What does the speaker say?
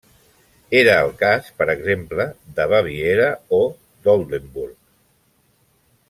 Era el cas, per exemple, de Baviera o d'Oldenburg.